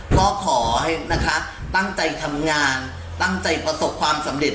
ก็ขอให้นะคะตั้งใจทำงานตั้งใจประสบความสำเร็จ